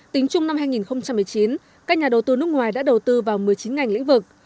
tính chung năm hai nghìn một mươi chín các nhà đầu tư nước ngoài đã đầu tư vào một mươi chín ngành lĩnh vực